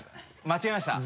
間違えました。